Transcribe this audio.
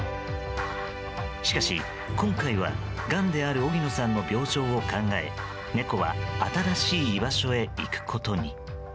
しかし、今回はがんである荻野さんの病状を考え猫は新しい場所へ行くことに。